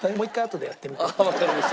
わかりました。